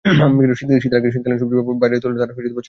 শীতের আগে শীতকালীন সবজি বাজারে তোলা হলে তার চাহিদা বেশি থাকে।